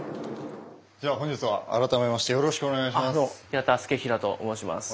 本日は改めましてよろしくお願いします。